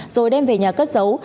rồi đem về nhà cất giấu